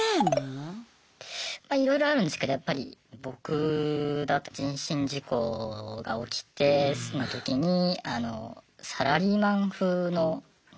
まあいろいろあるんですけどやっぱり僕だと人身事故が起きてその時にあのサラリーマン風の２０代ぐらいですかね